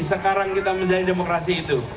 sekarang kita menjadi demokrasi itu